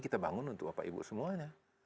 kita bangun untuk bapak ibu semuanya